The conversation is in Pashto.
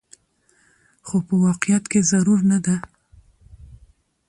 خو په واقعيت کې ضرور نه ده